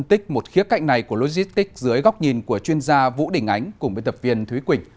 tiếp cạnh này của logistic dưới góc nhìn của chuyên gia vũ đình ánh cùng với tập viên thúy quỳnh